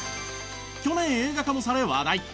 去年映画化もされ話題。